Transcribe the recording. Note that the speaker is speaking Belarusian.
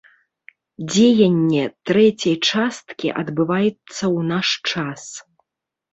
Дзеянне трэцяй часткі адбываецца ў наш час.